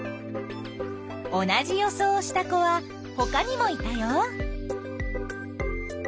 同じ予想をした子はほかにもいたよ。